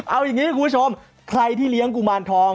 เอาอย่างนี้คุณผู้ชมใครที่เลี้ยงกุมารทอง